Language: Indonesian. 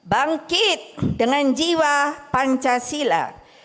bangkit dengan jiwa pancasila